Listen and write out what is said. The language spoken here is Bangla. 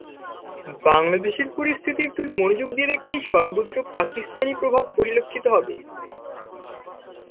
বাংলাদেশের পরিস্থিতি একটু মনোযোগ দিয়ে দেখলেই সর্বত্র পাকিস্তানি প্রভাব পরিলক্ষিত হবে।